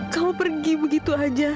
kamu pergi begitu saja